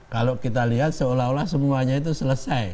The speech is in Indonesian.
kalau kita lihat seolah olah semuanya itu selesai